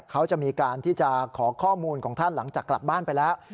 เขาจะมีการที่จะขอข้อมูลของท่านหลังจากกลับบ้านไปแล้ว